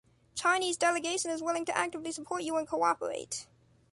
Chinese delegation is willing to actively support you and cooperate